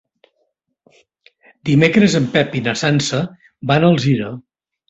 Dimecres en Pep i na Sança van a Alzira.